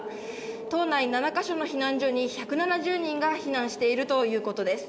島内７か所の避難所に１７０人が避難しているということです。